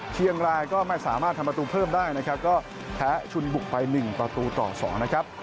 เชียงรายก็ไม่สามารถทำประตูเพิ่มได้นะครับก็แพ้ชุนบุกไป๑ประตูต่อ๒นะครับ